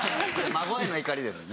孫への怒りですよね。